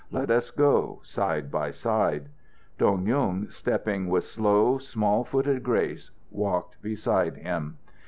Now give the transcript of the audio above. Let us go side by side." Dong Yung, stepping with slow, small footed grace, walked beside him.